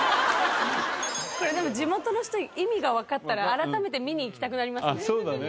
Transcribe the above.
これでも地元の人意味がわかったら改めて見に行きたくなりますね。